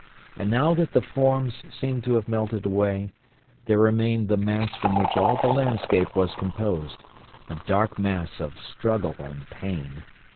And now that the forms seemed to have melted away, there remained the mass from which all the landscape was composed, a dark mass of struggle and pain.